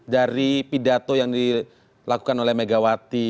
dari pidato yang dilakukan oleh megawati